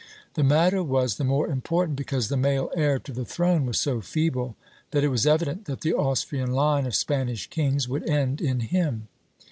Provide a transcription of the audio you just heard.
The matter was the more important because the male heir to the throne was so feeble that it was evident that the Austrian line of Spanish kings would end in him.